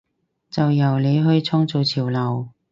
就由你去創造潮流！